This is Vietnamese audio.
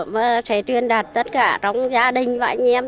và sẽ truyền đạt tất cả trong gia đình và anh em